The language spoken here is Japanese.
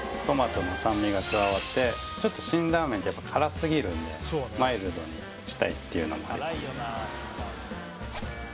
トマトの酸味が加わってちょっと辛ラーメンって辛すぎるんでマイルドにしたいというのもあります